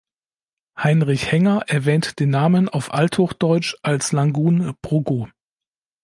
Heinrich Hänger erwähnt den Namen auf althochdeutsch als Langun-bruggu.